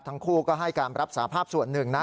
ทั้งคู่ก็ให้การรับสาภาพส่วนหนึ่งนะ